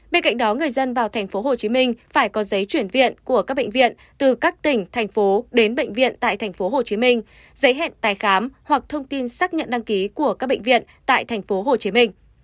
bên cạnh đó người dân vào tp hcm phải có giấy chuyển viện của các bệnh viện từ các tỉnh thành phố đến bệnh viện tại tp hcm giấy hẹn tái khám hoặc thông tin xác nhận đăng ký của các bệnh viện tại tp hcm